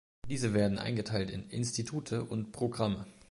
Diese werden eingeteilt in "Institute" und "Programme".